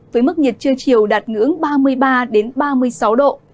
với mức nhiệt trưa chiều đạt ngưỡng ba mươi ba ba mươi sáu độ